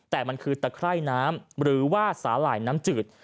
แต่มันคือตะไคร่น้ำหรือว่าสาหร่ายน้ำจืด